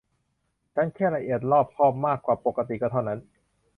ฉันแค่ละเอียดรอบคอบมากกว่าปกติก็เท่านั้น